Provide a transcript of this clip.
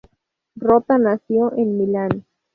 Rota nació en Milán.